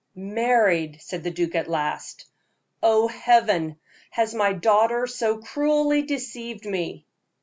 "Married!" said the duke, at last. "Oh, Heaven! has my daughter so cruelly deceived me?"